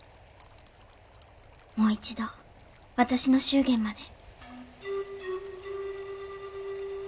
もう一度私の祝言まで。